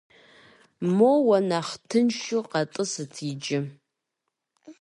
Моуэ нэхъ тыншу къэтӏысыт иджы.